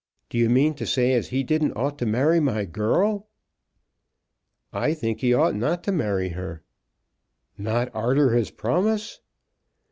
Do you mean to say as he didn't ought to marry my girl?" "I think he ought not to marry her." "Not arter his promise?"